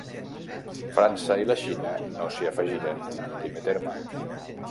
França i la Xina no s'hi afegiren, en primer terme.